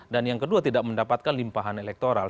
dan yang kedua tidak mendapatkan limpahan elektoral